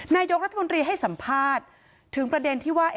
นายกรัฐมนตรีให้สัมภาษณ์ถึงประเด็นที่ว่า